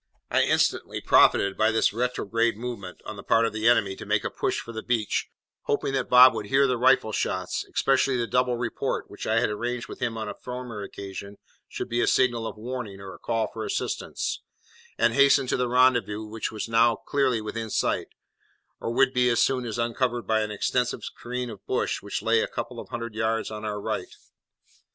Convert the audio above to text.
I instantly profited by this retrograde movement on the part of the enemy to make a push for the beach, hoping that Bob would hear the rifle shots (especially the double report, which I had arranged with him on a former occasion should be a signal of warning or a call for assistance), and hasten to the rendezvous which was now clearly within sight, or would be as soon as uncovered by an extensive screen of bush which lay a couple of hundred yards on our right.